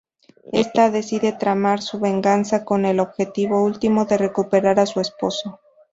Ésta decide tramar su venganza, con el objetivo último de recuperar a su esposo.